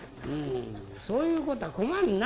そういうことは困るな。